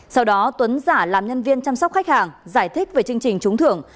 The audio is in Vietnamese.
sau đó tuấn giả làm nhân viên chăm sóc khách hàng giải thích về chương trình trúng thưởng